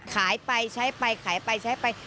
ขายไปใช้ไปขายไปใช้ไป